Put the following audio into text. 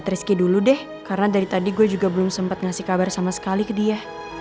rizky dulu deh karena dari tadi gue juga belum sempat ngasih kabar sama sekali ke dia